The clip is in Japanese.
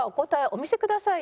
お見せください。